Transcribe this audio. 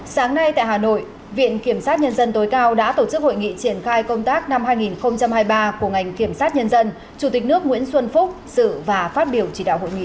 sáng nay tại hà nội viện kiểm sát nhân dân tối cao đã tổ chức hội nghị triển khai công tác năm hai nghìn hai mươi ba của ngành kiểm sát nhân dân chủ tịch nước nguyễn xuân phúc sự và phát biểu chỉ đạo hội nghị